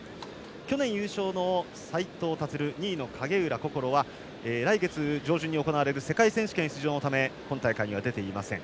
去年優勝の斉藤立２位の影浦心は来月上旬に行われる世界選手権出場のため今大会には出ていません。